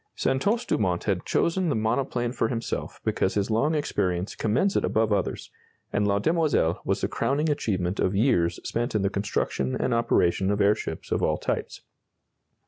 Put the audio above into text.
Santos Dumont has chosen the monoplane for himself because his long experience commends it above others, and La Demoiselle was the crowning achievement of years spent in the construction and operation of airships of all types.